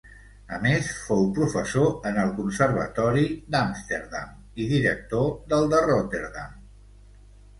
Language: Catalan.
A més fou professor en el Conservatori d'Amsterdam i director del de Rotterdam.